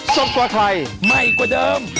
สุด